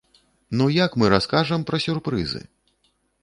Ну як мы раскажам пра сюрпрызы?!